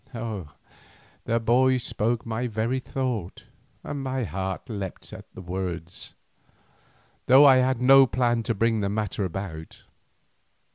The boy spoke my very thought and my heart leapt at his words, though I had no plan to bring the matter about.